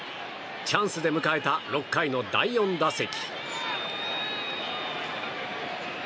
チャンスで迎えた６回の第４打席。